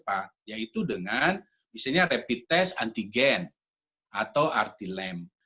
tapi yang lebih cepat yaitu dengan misalnya rapid test antigen atau artilem